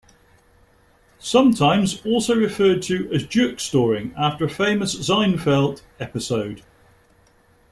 Sometimes also referred to as "jerk-storing" after a famous Seinfeld episode.